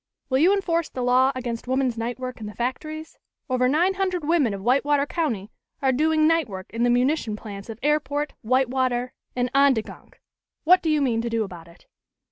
Will you enforce the law against woman's night work in the factories? Over nine hundred women of Whitewater County are doing night work in the munition plants of Airport, Whitewater and Ondegonk. What do you mean to do about it?"